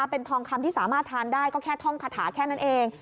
เป็นทองคำที่สามารถทานได้ก็แค่ท่องคาถาแค่นั้นเอง